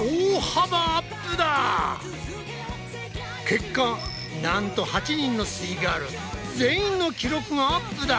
結果なんと８人のすイガール全員の記録がアップだ！